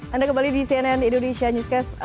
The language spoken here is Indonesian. anda kembali di cnn indonesia newscast